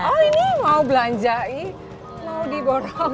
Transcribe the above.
oh ini mau belanjain mau diborong